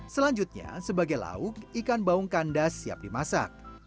selanjutnya sebagai lauk ikan baung kandas siap dimasak